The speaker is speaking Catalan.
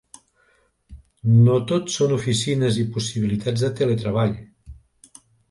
No tot són oficines i possibilitats de teletreball.